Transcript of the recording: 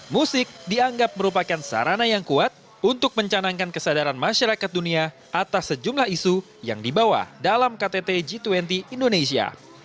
musik dianggap merupakan sarana yang kuat untuk mencanangkan kesadaran masyarakat dunia atas sejumlah isu yang dibawa dalam ktt g dua puluh indonesia